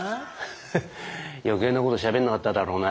ヘッ余計なことしゃべんなかっただろうな？